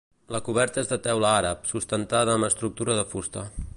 La coberta és de teula àrab, sustentada amb estructura de fusta.